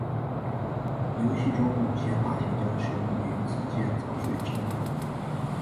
游戏中某些大型僵尸可以直接砸碎植物。